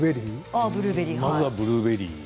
まずはブルーベリー。